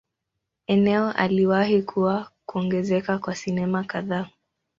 Eneo aliwahi kuwa kuongezeka kwa sinema kadhaa.